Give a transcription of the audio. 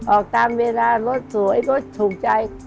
ออกตามเวลารถสวยรถถูกใจ